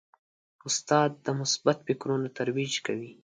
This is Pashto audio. استاد د مثبت فکرونو ترویج کوي.